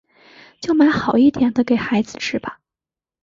就买好一点的给孩子吃吧